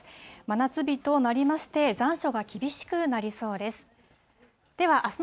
真夏日となりまして、残暑が厳しくなりそうです。